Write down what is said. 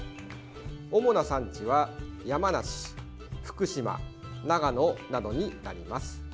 主な産地は山梨、福島、長野などになります。